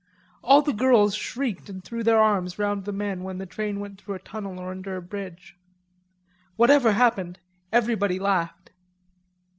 All the girls shrieked and threw their arms round the men when the train went through a tunnel or under a bridge. Whatever happened, everybody laughed.